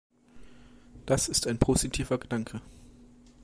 Das ist ein positiver Gedanke.